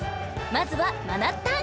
［まずはまなったん］